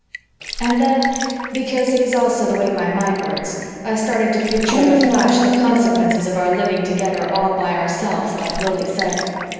And then, because it is also the way my mind works, I started to picture in a flash the consequences of our living together all by ourselves like Lili said.